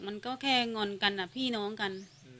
มันก็แค่งอนกันพี่น้องกัน